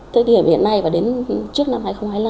thưa tiến sĩ hiện nay và đến trước năm hai nghìn hai mươi năm